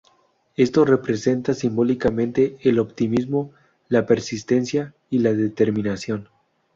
Esto representa simbólicamente el optimismo, la persistencia y la determinación.